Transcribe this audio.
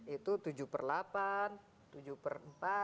itu tujuh per delapan tujuh per empat